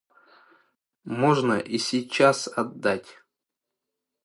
Можно и сейчас отдать.